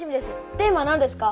テーマはなんですか？